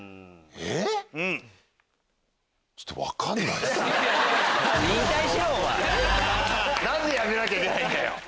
えっ⁉何でやめなきゃいけないんだよ！